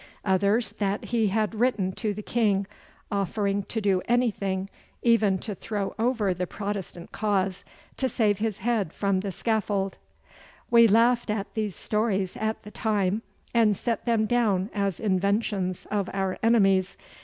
Others that he had written to the King offering to do anything, even to throw over the Protestant cause, to save his head from the scaffold.(Note L, Appendix.) We laughed at these stories at the time, and set them down as inventions of our enemies.